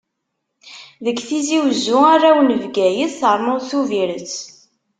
Deg Tizi-Wezzu, arraw n Bgayet, ternuḍ Tubiret.